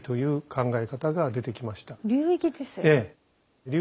ええ。